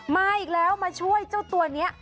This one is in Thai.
มาอีกแล้วมาช่วยเจ้าตัวนี้